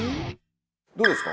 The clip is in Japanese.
どうですか？